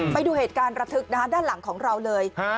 ไปดูเหตุการณ์ระทึกนะฮะด้านหลังของเราเลย